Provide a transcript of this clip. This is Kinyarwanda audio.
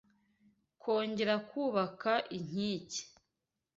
kongera kubaka inkike